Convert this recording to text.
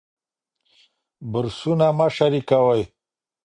برسونه مه شریکوئ.